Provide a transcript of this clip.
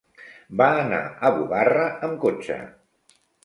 Va anar a Bugarra amb cotxe.